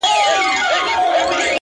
o ښه مه پر واړه که، مه پر زاړه که٫